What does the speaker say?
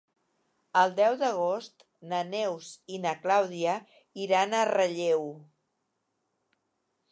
El deu d'agost na Neus i na Clàudia iran a Relleu.